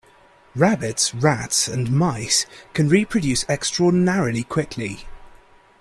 Rabbits, rats and mice can reproduce extraordinarily quickly.